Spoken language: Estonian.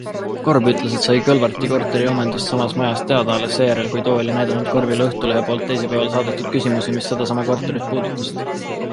Korb ütles, et sai Kõlvarti korteriomandist samas majas teada alles seejärel, kui too oli näidanud Korbile Õhtulehe poolt teisipäeval saadetud küsimusi, mis sedasama korterit puudutasid.